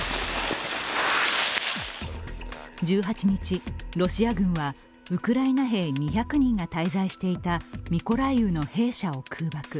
１８日、ロシア軍はウクライナ兵２００人が滞在していたミコライウの兵舎を空爆。